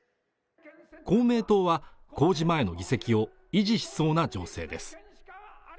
公明党は公示前の議席を維持しそうな情勢です